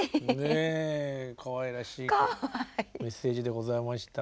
ねえかわいらしいメッセージでございました。